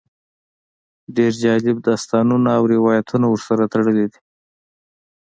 ډېر جالب داستانونه او روایتونه ورسره تړلي دي.